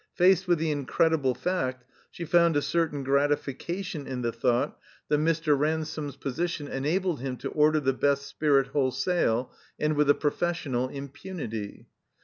Faced with the incredible fact, she found a certain gratification in the thought that Mr. Ransome's 41 THE COMBINED MAZE position enabled him to order the best spirit whole sale, and with a professional impunity.